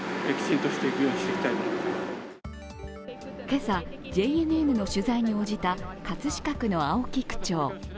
今朝、ＪＮＮの取材に応じた葛飾区の青木区長。